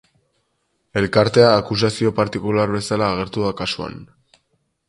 Elkartea akusazio partikular bezala agertu da kasuan.